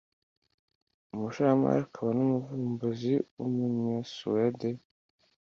umushoramari akaba n’umuvumbuzi w’umunyasuwede